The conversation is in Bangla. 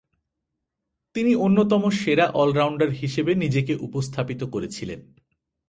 তিনি অন্যতম সেরা অল-রাউন্ডার হিসেবে নিজেকে উপস্থাপিত করেছিলেন।